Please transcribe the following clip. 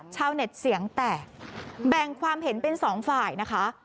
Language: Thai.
ชาวเน็ตเสียงแตกแบ่งความเห็นเป็นสองฝ่ายนะคะ